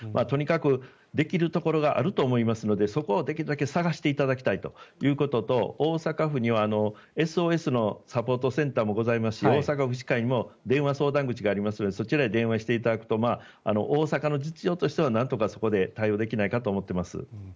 とにかくできるところがあると思いますのでそこをできるだけ探していただきたいということと大阪府にはＳＯＳのサポートセンターもございますし大阪府医師会も電話相談口がありますのでそちらに電話していただくと大阪の実情としてはなんとかそこで対応できないかと思っています。